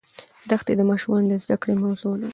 دښتې د ماشومانو د زده کړې موضوع ده.